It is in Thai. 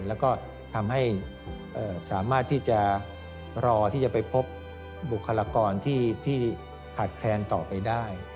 แล้วก็ทำให้สามารถที่จะรอที่จะไปพบบุคลากรที่ขาดแคลนต่อไปได้